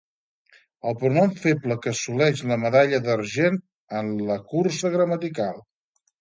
El pronom feble que assoleix la medalla d'argent en la cursa gramatical.